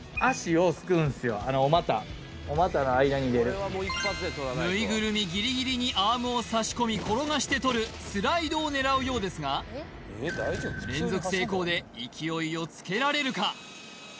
お股の間に入れるぬいぐるみギリギリにアームを差し込み転がして取るスライドを狙うようですが連続成功で勢いをつけられるか？